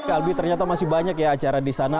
albi ternyata masih banyak ya acara di sana